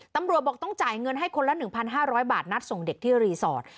ตำรวจบอกต้องจ่ายเงินให้คนละ๑๕๐๐บาทนัดส่งเด็กที่รีสอร์ท